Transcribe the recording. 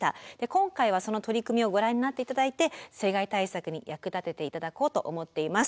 今回はその取り組みをご覧になって頂いて水害対策に役立てて頂こうと思っています。